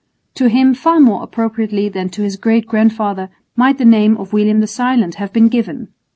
To him far more appropriately than to his great grandfather might the name of William the Silent have been given.